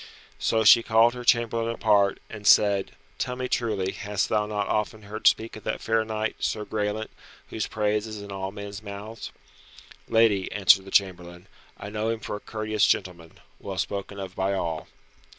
So she called her chamberlain apart, and said, "Tell me truly, hast thou not often heard speak of that fair knight, Sir Graelent, whose praise is in all men's mouths?" "Lady," answered the chamberlain, "I know him for a courteous gentleman, well spoken of by all."